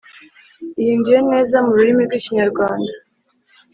ihinduye neza mu rurimi rw Ikinyarwanda